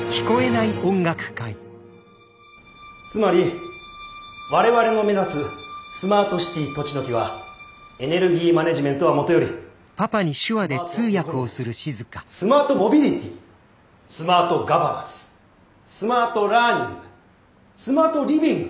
つまり我々の目指すスマートシティとちのきはエネルギーマネジメントはもとよりスマートエコノミースマートモビリティスマートガバナンススマートラーニングスマートリビング。